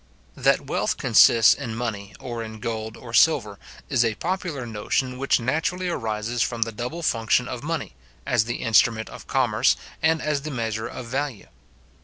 That wealth consists in money, or in gold and silver, is a popular notion which naturally arises from the double function of money, as the instrument of commerce, and as the measure of value.